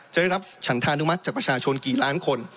จะได้รับฉันธานุมัติจากประชาชนกี่ล้านคน